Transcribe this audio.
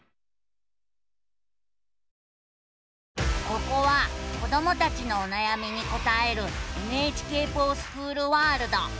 ここは子どもたちのおなやみに答える「ＮＨＫｆｏｒＳｃｈｏｏｌワールド」。